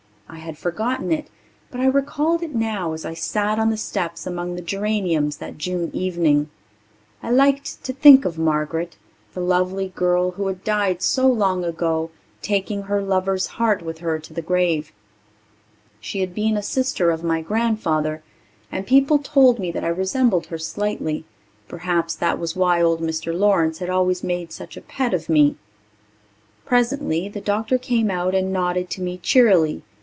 I had forgotten it, but I recalled it now as I sat on the steps among the geraniums that June evening. I liked to think of Margaret ... the lovely girl who had died so long ago, taking her lover's heart with her to the grave. She had been a sister of my grandfather, and people told me that I resembled her slightly. Perhaps that was why old Mr. Lawrence had always made such a pet of me. Presently the doctor came out and nodded to me cheerily.